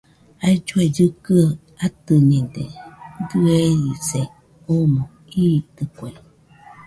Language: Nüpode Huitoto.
Aillue kɨkɨaɨ atɨñede, dɨerise omo iitɨkue.